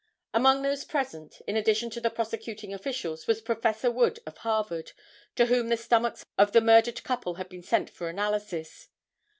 Among those present, in addition to the prosecuting officials, was Prof. Wood of Harvard, to whom the stomachs of the murdered couple had been sent for analysis.